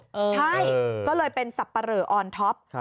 ใช่ก็เลยเป็นสับปะเหลออนท็อป